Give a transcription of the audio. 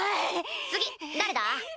次誰だ？